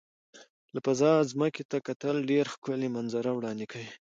له فضا ځمکې ته کتل ډېر ښکلي منظره وړاندې کوي.